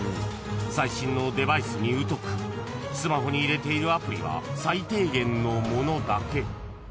［最新のデバイスに疎くスマホに入れているアプリは最低限のものだけ］